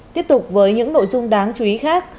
tiếp tục với những nội dung đáng chú ý khác